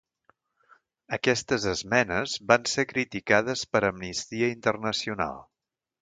Aquestes esmenes van ser criticades per Amnistia Internacional.